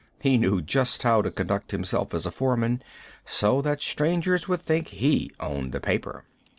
He knew just how to conduct himself as a foreman, so that strangers would think he owned the paper.